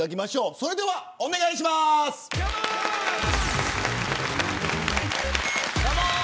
それでは、お願いします。